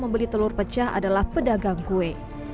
membeli telur pecah adalah pedagang kue